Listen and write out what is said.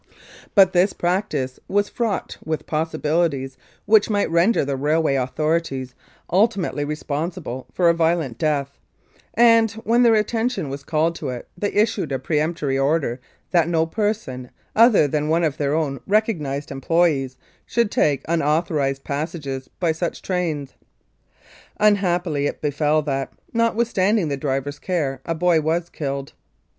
But this practice was fraught 119 Mounted Police Life in Canada with possibilities which might render the railway authorities ultimately responsible for a violent death; and, when their attention was called to it, they issued a peremptory order that no person, other than one of their own recognised employees, should take unauthor ised passages by such trains. Unhappily it befell that, notwithstanding the driver's care, a boy was killed.